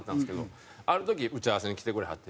ある時打ち合わせに来てくれはって